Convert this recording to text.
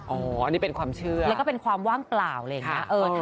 อันนี้เป็นความเชื่อแล้วก็เป็นความว่างเปล่าอะไรอย่างนี้